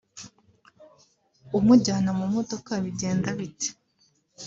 umujyana mu modoka bigenda bite